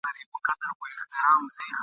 بندولې یې د خلکو د تلو لاري !.